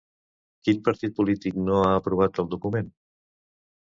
Quin partit polític no ha aprovat el document?